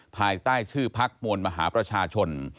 ภายใต้ชื่อพักมวลมหาประชาชน